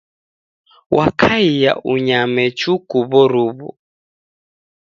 Wakaia unyame chuku w'oruwu.